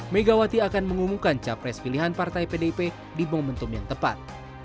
megawati akan mengumumkan capres pilihan partai pdip di momentum yang tepat